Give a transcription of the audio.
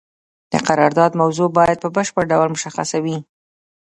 د قرارداد موضوع باید په بشپړ ډول مشخصه وي.